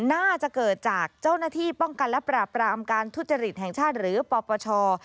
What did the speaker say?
น่าจะเกิดจากเจ้าหน้าที่ป้องกันและปราบรามการทุจริตแห่งชาติหรือปปช